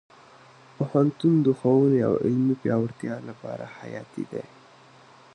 پوهنتون د ښوونې او علمي پیاوړتیا لپاره حیاتي دی.